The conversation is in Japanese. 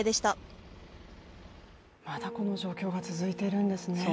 まだこの状況が続いているんですね。